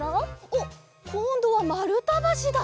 おっこんどはまるたばしだ。